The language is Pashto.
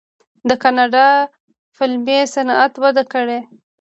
د کاناډا فلمي صنعت وده کړې.